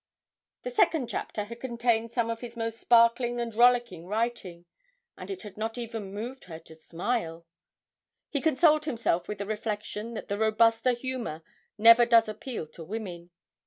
The second chapter had contained some of his most sparkling and rollicking writing and it had not even moved her to smile! He consoled himself with the reflection that the robuster humour never does appeal to women.